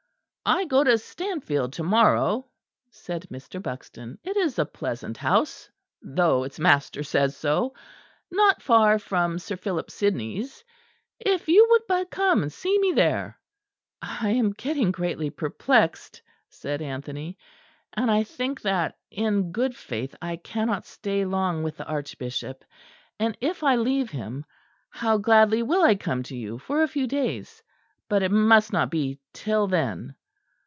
"I go to Stanfield to morrow," said Mr. Buxton; "it is a pleasant house, though its master says so, not far from Sir Philip Sidney's: if you would but come and see me there!" "I am getting greatly perplexed," said Anthony, "and I think that in good faith I cannot stay long with the Archbishop; and if I leave him how gladly will I come to you for a few days; but it must not be till then."